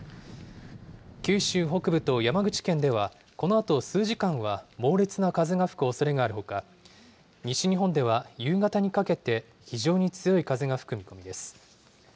九州北部と山口県では、このあと数時間は猛烈な風が吹くおそれがあるほか、西日本では夕方にかけて、非常に強い風が吹く見込みです。